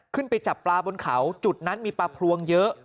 จับปลาบนเขาจุดนั้นมีปลาพลวงเยอะ